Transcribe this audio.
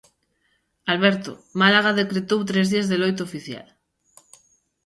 Alberto, Málaga decretou tres días de loito oficial.